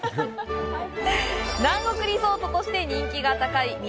南国リゾートとして人気が高い